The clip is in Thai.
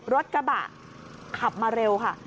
รถกระบะขับมาเร็วค่ะ